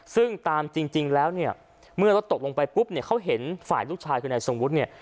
ซึ่งตามจริงจริงแล้วเนี้ยเมื่อเราก็ตกลงไปปุ๊บเนี่ยเขาเห็นฝ่ายลูกชายคือในสงบุรณ์เนี้ย